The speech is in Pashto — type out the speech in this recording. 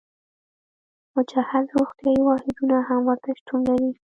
مجهز روغتیايي واحدونه هم ورته شتون لري.